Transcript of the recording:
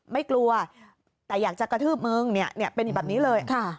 ไม่กลัวแต่อยากจะกระทืบมึงเป็นอีกแบบนี้เลย